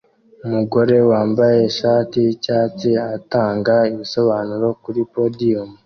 Umugore wambaye ishati yicyatsi atanga ibisobanuro kuri podium